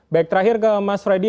baik terakhir ke mas freddy